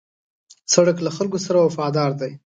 سړک له خلکو سره وفادار دی.